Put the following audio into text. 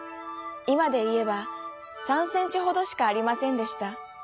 いまでいえば３センチほどしかありませんでした。